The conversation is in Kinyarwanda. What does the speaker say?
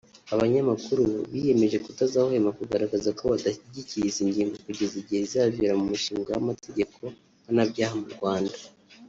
Abanyamakuru biyemeje kutazahwema kugaragaza ko badashyigikiye izi ngingo kugeza igihe zizavira mu mushinga w’amategeko mpanabyaha mu Rwanda